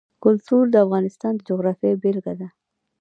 کلتور د افغانستان د جغرافیې بېلګه ده.